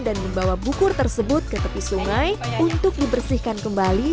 dan membawa bukur tersebut ke tepi sungai untuk dibersihkan kembali